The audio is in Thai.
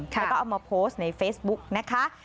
แล้วก็เอามาโพสต์ในเฟซบุ๊กนะคะ